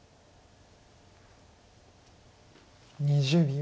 ２０秒。